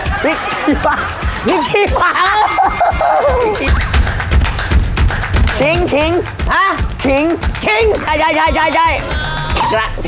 เสร็จแล้วเอาจุดพันที่เรียบร้อยแล้วนะครับผมปลากะโพงทรงเครื่องนะครับจัน